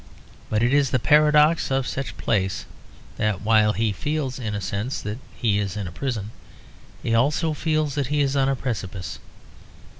But it is the paradox of such a place that, while he feels in a sense that he is in a prison, he also feels that he is on a precipice.